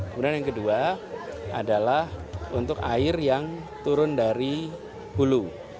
kemudian yang kedua adalah untuk air yang turun dari hulu